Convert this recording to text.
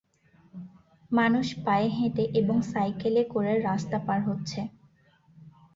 মানুষ পায়ে হেঁটে এবং সাইকেলে করে রাস্তা পার হচ্ছে।